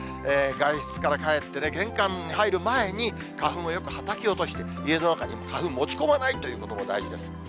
外出から帰ってね、玄関入る前に花粉をよくはたき落として、家の中に花粉持ち込まないということも大事です。